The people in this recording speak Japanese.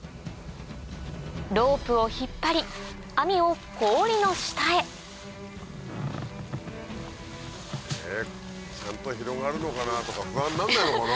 ロープを引っ張り網を氷の下へちゃんと広がるのかなとか不安になんないのかな？